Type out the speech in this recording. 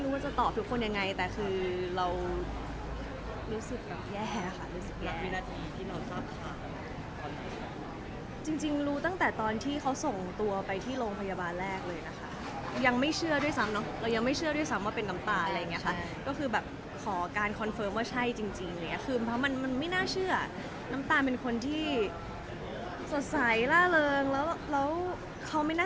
เรารู้สึกแย่ค่ะรู้สึกแย่หลักวินาทีที่เราทราบค่ะจริงจริงรู้ตั้งแต่ตอนที่เขาส่งตัวไปที่โรงพยาบาลแรกเลยนะคะยังไม่เชื่อด้วยซ้ำเนอะเรายังไม่เชื่อด้วยซ้ำว่าเป็นน้ำตาอะไรอย่างเงี้ยค่ะก็คือแบบขอการคอนเฟิร์มว่าใช่จริงจริงเนี้ยคือเพราะมันมันไม่น่าเชื่ออะน้ำตาเป็นคนที่สดใส